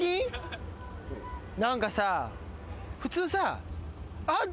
何かさ普通さ「あっ。